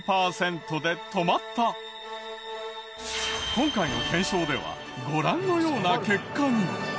今回の検証ではご覧のような結果に。